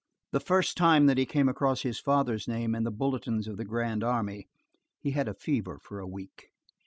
The first time that he came across his father's name in the bulletins of the grand army, he had a fever for a week.